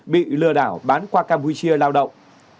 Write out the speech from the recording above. bị lừa đảo bán qua campuchia lao động